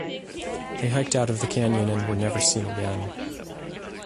They hiked out of the canyon and were never seen again.